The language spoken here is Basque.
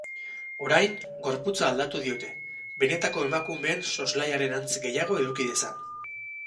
Orain, gorputza aldatu diote, benetako emakumeen soslaiaren antz gehiago eduki dezan.